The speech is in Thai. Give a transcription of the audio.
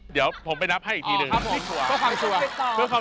เดี๋ยวผมไปนับให้อีกทีหนึ่งครับเรียกซัวร์เพื่อความสบายใจตัวความจริง